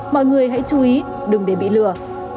mọi người hãy chú ý đừng để bị lừa